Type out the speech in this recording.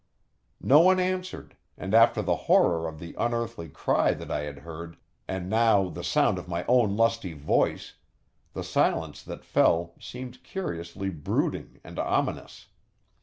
No one answered, and after the horror of the unearthly cry that I had heard, and now the sound of my own lusty voice, the silence that fell seemed curiously brooding and ominous.